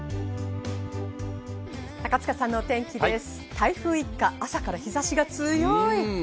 台風一過、朝から日差しが強い。